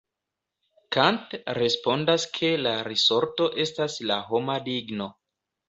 Kant respondas ke la risorto estas la homa digno.